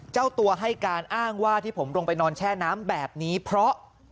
เจ้าตัวให้การอ้างว่าที่ผมลงไปนอนแช่น้ำแบบนี้เพราะ